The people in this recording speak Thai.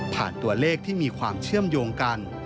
ตัวเลขที่มีความเชื่อมโยงกัน